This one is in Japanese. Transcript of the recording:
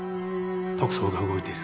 特捜が動いている。